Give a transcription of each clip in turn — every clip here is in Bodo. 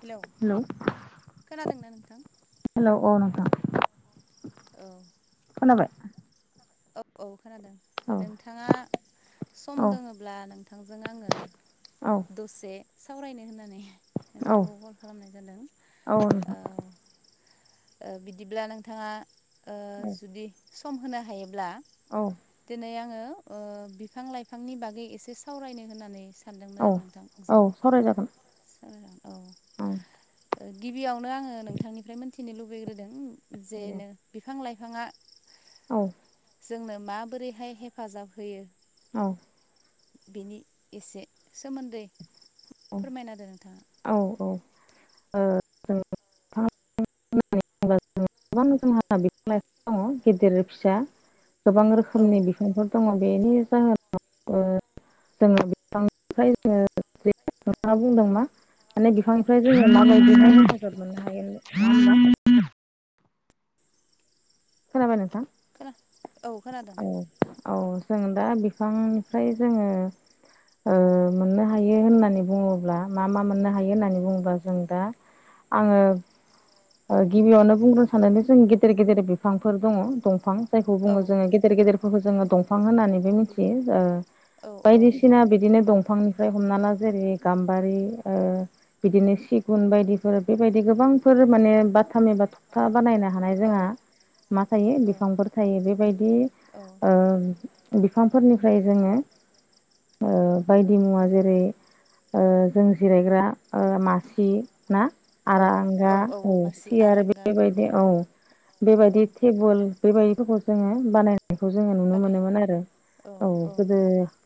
हेलौ खोनादोंना नोंथां हेलौ अ नोंथां औ खोनाबाय औ औ खोनादों औ नोंथाङा सम औ दोङोब्ला नोंथांजों आङो औ दसे सावरायनो होननानै औ नोंथांखौ कल खालामनाय जादों औ नोंथां औ ओ बिदिब्ला नोंथाङा ओ‌ जुदि सम होनो हायोब्ला औ दिनै आङो ओ बिफां लाइफांनि बागै एसे सावरायनो होननानै सानदोंमोन आरो नोंथां औ जों सावरायजागोन औ औ ओ गिबियावनो आङो नोंथांनिफ्राय मोनथिनो लुबैग्रोदों दे जेनो बिफां लाइफाङा औ जोंनो माबोरैहाय हेफाजाब होयो औ बेनि एसे सोमोन्दै फोरमायना होदो दो नोंथाङा औ औ ओ गोबां जोंहा बिफां लाइफां दङ गेदेर फिसा गोबां औ रोखोमनि बिफांफोर दङ बेनि जाहोनाव जोंहा बिफांनिफ्राय जोङो जेरै नोंथाङा बुंदों मा माने बिफांनिफ्राय जोङो औ माबायदिहाय हेफाजाब मोननो हायो नङा होमबा खोनाबाय नोंथां खोना औ खोनादों औ जों दा बिफांनिफ्राय जोङो ओ मोननो हायो होननानै बुङोब्ला मा मा मोननो हायो होननानै बुङोब्ला जों दा आङो ओ गिबियावनो बुंग्रोनो सानोदि जों गेदेर गेदेर बिफांफोर दङ दंफां जायखौ औ बुङो जोङो औ गेदेर गेदेरफोरखौ जोङो दंफां होननानैबो मिथियो जा ओ औ बायदिसिना बिदिनो दंफांनिफ्राय हमना ला जेरै गाम्बारि ओ बिदिनो सिगुन बायदिफोर बेबायदि गोबांफोर माने बाथाम एबा थखथा बानायनो हानाय औ जोंहा मा थायो बिफांफोर थायो बेबायदि ओ बिफांफोरनिफ्राय जोङो ओ बायदि मुवा जेरै ओ जों जिरायग्रा ओ मासि ना औ आरांगा औ औ औ मासि सियार आरांगा बेबायदि औ औ बेबायदि टेबोल बेबायदिफोरखौ जोङो बानाय बेखौ जोङो नुनो बानाय मोनोमोन आरो औ गोदो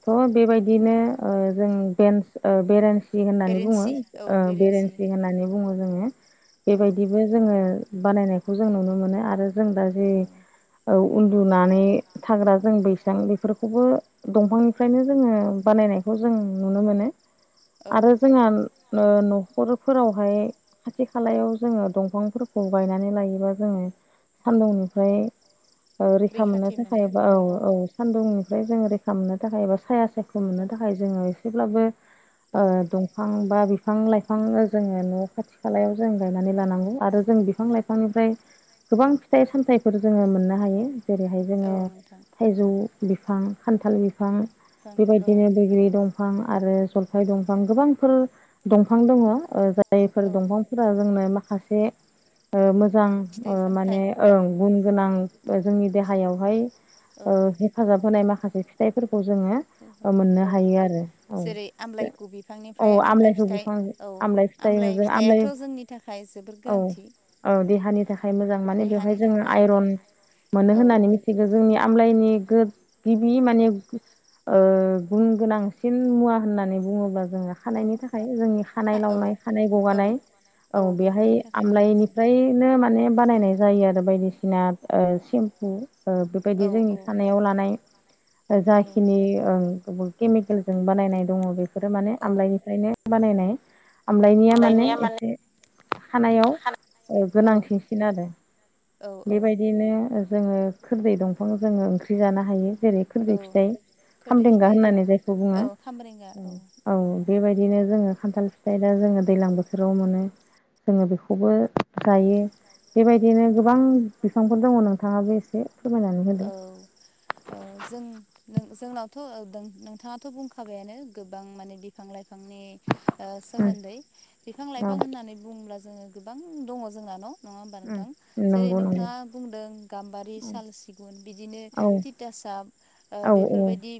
थ बेबायदिनो ओ जों बेन्स ओ बेरेन्सि सि होननानै बुङो बेरेन्सि औ ओ बेरेन्सि बेरेेनसि होननानै बुङो जोङो औ बेबायदिबो जोङो बानायनायखौ जों नुनो मोनो आरो जों दा जि औ औ उन्दुनानै थाग्रा जों बैसां बेफोरखौबो दंफांनिफ्रायनो जोङो बानायनायखौ जों नुनो मोनो औ आरो जोंहा न'खरफोरावहाय खाथि खालायाव जोंङो दंफांफोरखौ गायनानै लायोबा जोंङो सानदुंनिफ्राय रैखा मोननो थाखाय औ औ सान्दुंनिफ्राय जोङो रैखा मोननो थाखाय एबा साया सायख' औ मोननो थाखाय जोंङो एसेब्लाबो ओ औ दंफां बा बिफां लाइफां जोंङो न' खाथि खालायाव जों गायनानै लानांगौ आरो जों बिफां लाइफांनिफ्राय गोबां फिथाइ सामथाइफोर जोङो मोननो हायो जेरैहाय औ जोङो नोंथां औ थाइजौ बिफां खान्थाल बिफां बिफां औ बेबायदिनो बैग्रि दं दंफां आरो जलफाय दंफां गोबांफोर दंफां दङ जायफोर औ दंफां जोंनो माखासे मोजां फिथाइ सामथाइ माने औ गुन गोनां जोंनि देहायावहाय हेफाजाब होनाय माखासे फिथाइफोरखौ जोंङो औ जेरै आमलायकु औ बिफांनिफ्राय आमलाइ आमलाइखौ फिथाइ बिफां औ आमलाइ फिथाइ आमलाय जों आमलाइ फिथाइआथ' जोंनि थाखाय जो औ औ देहानि थाखाय मोजां माने बेवहाय देहानि जोंङो थाखाय आइरन मोनो औ होननानै मि थिगो जोंनि आमलायनि गिबि माने ओ गुन गोनांसिन मुवा होननानै बुङोबा जोंङो थ' खानायनि थाखाय जोंनि खानाय औ लावनाय खानाय औ गगानाय औ बेहाय बेफोरनि थाखाय मोजांसिन आमलायनिफ्रायनो माने बानायनाय जायो आरो बायदिसिना सेम्पु औ बेबायदि जोंनि औ खानायाव लानाय औ जाखिनि केमिकेलजों बानायनाय दङ बेफोरो माने औ आमलाइनिफ्रायनो बानायनाय आमलायनिया माने एसे खानायाव खाना औ गोनांथिसिन आरो औ औ बेबायदिनो जोंङो खोदै दंफां जोंङो ओंख्रि जानो हायो जेरै खोदै औ फिथाइ खोरदै खामदेंगा फिथाइ होननानै जायखौ बुङो। औ खामब्रेंगा औ बेबायदिनो जोंङो खान्थाल फिथाइ दा जोंङो दैज्लां बोथोराव मोनो। जोंङो बेखौबो जायो बेबायदिनो गोबां बिफांफोर दङ नोंथाङाबो एसे फोरमायनानै औ होदो औ जों-जोंनावथ' नोंथाङाथ' बुंखाबायानो गोबां माने बिफां लाइफांनि ओ उम सोमोन्दै बिफां औ लाइफां होननानै बुङोब्ला जोंङो गोबां दङ जोंनान' नङा होमबा उम नोंथां जेरै नंगौ नोंथाङा नंगौ बुंदों गाम्बारि साल सि गुन बिदिनो औ तिता साब ओ औ औ बेफोरबादि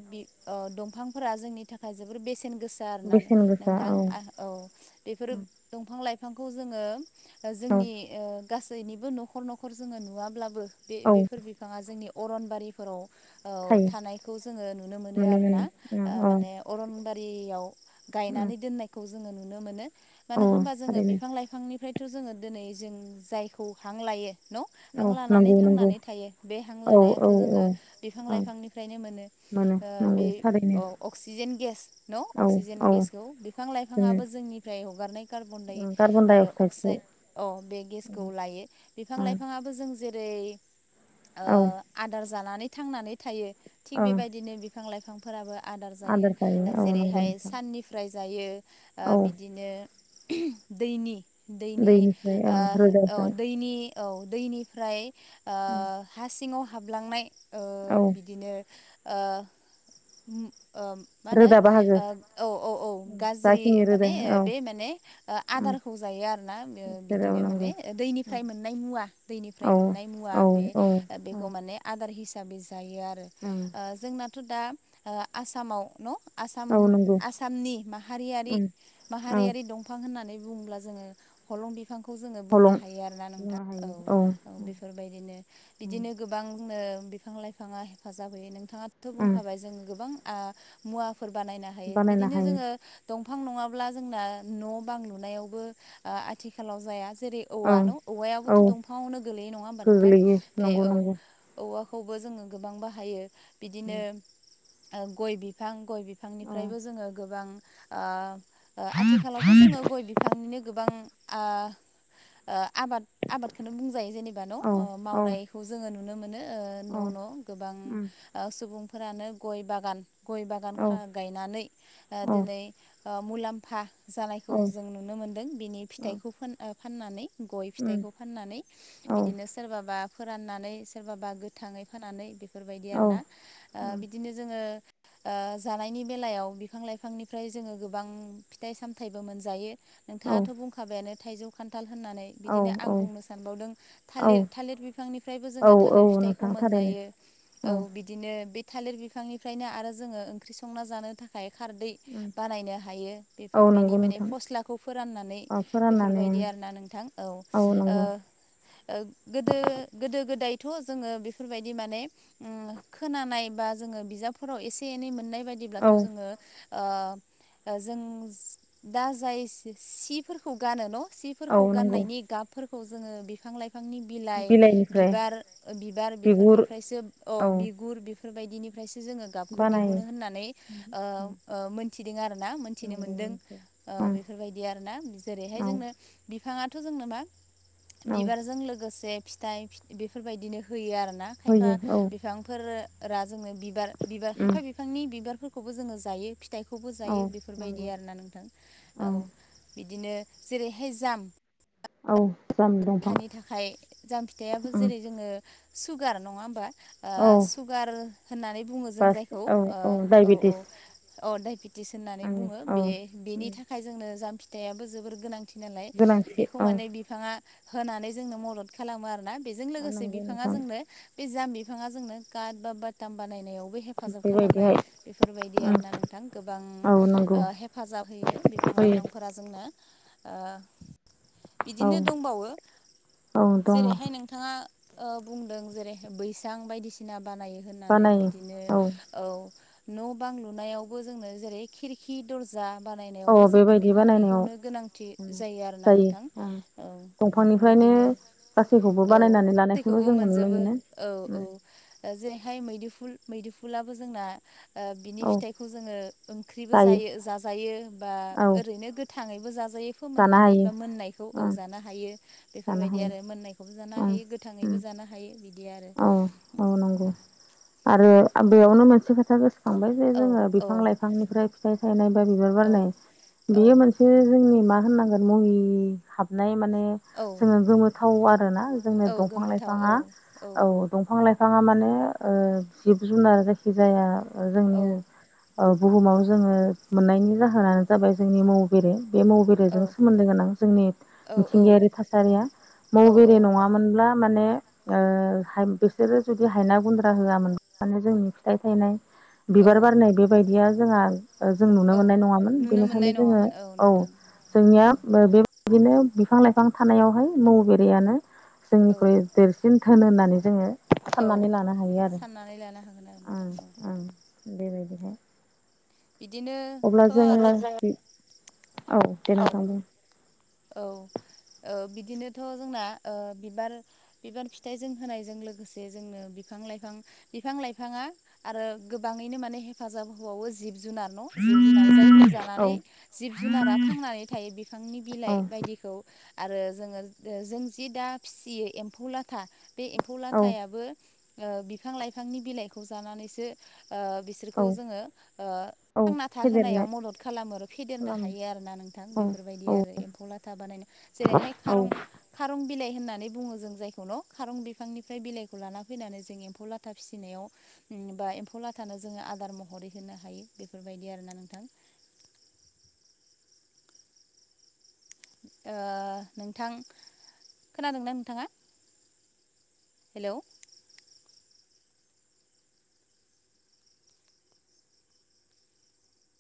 ओ दंफांफोरा जोंनि थाखाय जोबोर बेसेन गोसा आरोना बेसेन गोसा नोंथां औ बेफोरो दंफां लाइफांखौ जोंङो औ जोंनि ओ गासैनिबो न'खर-न'खर जोंङो नुवाब्लाबो औ बे-बेफोर बिफांङा जोंनि अरनबारिफोराव औ थायो थानायखौ जोंङो नुनो मोनो आरोना माने अरनबारियाव उम गायनानै दोननायखौ जोंङो नुनो मोनो औ मानो होनबा जोंङो थारैनो बिफां लाइफां बिफांनिफ्रायथ' जोंङो दिनै जों जायखौ हां लायो न' हां औ लानानै नंगौ नंगौ थांनानै थायो बे हां औ औ लानायाथ' औ जोंङो बिफां औ लाइफांनिफ्रायनो मोनो। ओ बे नंगौ थारैनो औ अक्सिजेन गेस न औ अक्सिजेन औ गेसखौ बिफां जोङो लाइफाङाबो जोंनिफ्राय हगारनाय कार्बन उम कार्बन डाइ अक्साइडखौ अक्साइड औ बे उम गेसखौ उम लायो बिफां औ लाइफाङा बो जों जेरै ओ आदार जानानै थांनानै थायो थिग ओं बेबायदिनो बिफां लाइ फांफोराबो आदार जायो औ नंगौ जेरैहाय नोंथां साननिफ्राय जायो। ओ औ बिदिनो दैनि दैनि दैनिफ्राय ओं ओ औ रोदाजों दैनि औ दैनिफ्राय ओ उम हा सिङाव हाबलांनाय ओ औ बिदिनो अम ओम मा रोदा बाहागो होनो औ औ औ उम गाज्रि जाखिनि रोदा माने औ बे माने ओ उम आदारखौ जायो आरोना बियो बिसोरो औ बिदिनो माने नंगौ औ दैनिफ्राय मोननाय मुवा दैनिफ्राय औ मोननाय मुवा औ बे औ बेखौ माने आदार हिसाबै जायो आरो औ ओ जोंनाथ' दा ओ आसामाव न' आसाम औ नंगौ आसामनि माहारियारि ओं औ माहारियारि दं बिफां होननानै बुङोब्ला जोंङो हलं बि बिफांखौ जोंङो बुंनो हलं हायो आरोना नोंथां बुंनो औ हायो औ उम बेफोरबायदिनो उम बिदिनो गोबांनो बिफां लाइफाङा हेफाजाब होयो नोंथाङाथ' उम बुंखाबाय जों गोबां ओ मुवा फोर बानायनो हायो बानायनो बिदिनो हायो जोङो दंफां नङाब्ला जोंना न' बां लुनायावबो ओ आथिखालाव जाया जेरै औ औवा न' औ औवायाबोथ' दंफाङावनो गोलैयनाय नङा होमबा नोंथां गोग्लैयो बे नंगौ औ नंगौ औवाखौबो जोङो गोबां बाहायो बिदिनो उम ओ गय बिफां गय औ बिफांनिफ्रायबो जोङो गोबां ओ ओ आथिखालावथ' जोङो गय बि फांनिनो गोबां ओ आबाद आबादखौनो बुंजायो जेनेबा बान' औ मावनायखौ जोङो नुनो मोनो न' औ न' गोबां उम सुबुंफोरानो गय बागान गय बागान औ खाम गायनानै आ औ दिनै आ मुलाम्फा जानायखौ औ जों नु नो मोनदों बिनि फिथाइखौ फान‌ फाननानै गय उम फिथाइखौ फाननानै औ बिदिनो सोरबाबा फोराननानै सोरबाबा गोथाङै फोनानै बेफोरबायदि आरो औ उम औ ना ओ बिदिनो जोङो ओ जानायनि बेलायाव बिफां लाइफांनिफ्राय जोङो गोबां फिथाइ सामथायाइबो मोनजायो नोंथाङाथ' बुंखाबायानो थाइजौ खान्थाल होननानै बिदिनो आं बुंनो सानबावदों थालिर औ थालिर बिफांनिफ्रायबो औ जोङो औ थालिर फिथाइखौ नोंथां थारैनो मोनजायो औ बिदि बिदिनो बे थालिर बिफांनिफ्रायनो आरो जोङो ओंख्रि संना जानो थाखाय खारदै उम बानायनो हायो बे औ बेनि नंगौ माने नोंथां फस्लाखौ फोराननानै औ फोराननानै बेफोरबायदि आरो ना नोंथां औ ओ ओ गोदो गोदो गोदायथ' जोङो बेफोरबायदि माने ओम खोनानाय बा जोङो बिजाबफोराव एसे एनै मोननाय बायदिब्लाथ' औ जोङो ओ‌ जों दा जाय सिफोरखौ गानो न' औ सिफोरखौ नंगौ गाननायनि गाबफोरखौ जोङो बिफां लाइफांनि बिलाइ बिलाइनिफ्राय बिबार बिबार बिगुर बिफोरनिफ्रायसो औ बिगुर बेफोरबायदिनिफ्रायसो जोङो गाबखौ बानायो दिहुनो होननानै उम ओ ओ मोनथिदों आरो ना मोनथिनो नंगौ मोनदों नोंथां। ओ उम बेफोरबायदि आरोना जेरैहाय औ जोंनो बि फाङाथ' जोंनो मा औ बिबारजों लोगोसे फिथाइ बेफोरबायदिनो होयो आरोना खायफा होयो औ बिफांफोरा जोंनो बिबार बिबार उम खायफा बि फांनि बिबारफोरखौबो जोङो जायो फिथाइखौबो औ जायो बेफोरबायदि नंगौ आरोना नोंथां औ बिदिनो जेरैहाय जाम् औ जामोन दंफां खाय जाम फिथाइयाबो उम जेरै जोङो सुगार नङा होमबा औ ओ सुगार होननानै बुङो जों जायखौ औ औ औ दाइबेटि टिस होननानै आंनि बुङो औ बे बेनि उम थाखाय जोंनो जाम फिथायाइयाबो जोबोर गोनां थि नालाय गोनांथि बेखौ औ माने बिफाङा होनानै जोंनो मदद खालामो आरोना बेजों लोगोसे नंगौ बिफाङा नोंथां जोंनो बे जाम बिफाङा जोंनो काट बा बाटाम बानायनायावबो हे फाजाब खालामबाय बेबायदिहाय बेफोरबायदि उम आरोना नोंथां गोबां औ नंगौ हेफाजाब होयो बिफां होयो लाइफां फोरा जोंनो औ बिदिनो दंबावो औ दङ जेरैहाय नोंथाङा ओ बुंदों जेरै बैसां बायदिसिना बानायो होननानै बिदिनो औ न' बां लुनायावबो जोंनो जेरै खिरि हि दर्जा बानायनायावबो औ जोङो बेबायदि बानायनायाव बिफांनिखौनो गोनांथि उम जायो आरोना नोंथां औ दंफांनिफ्रायनो बेफोरबायदिनो गासैखौबो औ बानायनानै लानायखौनो गासैखौबो जोङो नुनो मोनजोबो मोनो औ उम औ दा जेरैहाय मैदेरफुल मैदेरफुलाबो जोंना बिनि औ फिथाइखौ जोङो ओंख्रिबो जायो जाजायो बा औ ओरैनो गो थाङैबो जाजायो जानो फोमोननानै हायो बा मोननायखौ ओं औवजानो हायो जानो बेफोरबायदि हायो आरो मोननायखौ बेखौबो जानो ओं हायो गोथाङैबो जानो हायो बिदि आरो औ औ नंगौ आरो बेयावनो मोनसे खोथा गोसोखांबाय जे औ जोङो औ बिफां लाइफांनिफ्राय फिथाइ थायनाय बा बिबार औ बारनाय औ बियो मोनसे एसे जोंनि मा होननांगोन मुहि हाबनाय माने औ जोङो गोमोथाव आरोोना जोंनो औ दंफां गोमोथाव औ लाइफाङा औ दंफां लाइफाङा माने जिब जुनार जायखि जाया जोंनि औ बुहुमाव जोङो मोननायनि जाहोनानो जाबाय जोंनि बेे बे म औ बेरेजों सोमोन्दो गोनां जोंनि औ मिथिंगायारि थासारिया म औ बेरे नङा मोनब्ला माने बिसोरो जुदि हायना गुन्द्रा होआमोन माने जोंनि फिथाइ थायनाय औ बिबार बारनाय बे बेबायायदिया जोंहा जों नुनो औ मोननाय नङामोन नुनो बेनिखायनो मोननाय जोङो नङामोन औ नोंथां जोंनिया बेबायदिनो बिफां लाइफां थानायावहाय म बेरेानो औ जोंनिख्रुइ देरसिन थोन होननानै जोङो औ साननानै लानो हायो आरो साननानै लानो हागोन आरो नोंथां औ आं बेबायदिहाय बिदिनो अब्ला जोङो औ दां थां द औ बिदिनोथ' जोंना बिबार बिबार फिथाइजों होनायजों लोगोसे जोंनो बिफां लाइफां बिफां लाइफाङा आरो गोबाङैनो माने हेफाजाब होबावो जिब जुनार न जिब जुनार जायखौ औ जानानै जिब जुनारा थांनानै थायो बिफांनि बिलाइ औ बायदि आरो जो जों जि दा फिसियो एम्फौ लाथा बे एम्फौ औ लाथायाबो बिफां लाइफांनि बिलाइखौ जानानैसो बिस औ बिसोरखौ जोङो औ थांना था फेदेरनो होनोनायाव मदद खालामो आरो फेदेरनो खालामो हायो आरोोना नोंथां औ बेफोरबायदि आरो औ खौ लाथा बानायनो जेरैहाय औ खारं खारं बिलाइ होननानै बुङो जों जायखौ न' खारं बिफांनिफ्राय बिलाइखौ लाना फैनानै जों एम्फौ लाथा फिसिनायाव बा एम्फौ लाथानो जोङो आदार महरै होनो हायो बेफोरबायदि आर ना नोंथां नोंथां खोनादोंना नोंथाङा हेल'